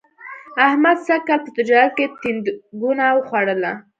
احمد سږ کال په تجارت کې تیندکونه و خوړل